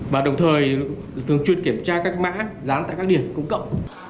và đồng thời thường chuyên kiểm tra các mã dán tại các điểm cung cấp